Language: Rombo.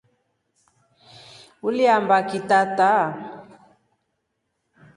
Uliambaki tata?